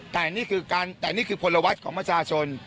แต่นี่คือพลวชของประชาชน